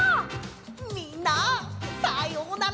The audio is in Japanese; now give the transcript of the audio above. みんなさようなら！